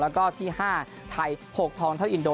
แล้วก็ที่๕ไทย๖ทองเท่าอินโด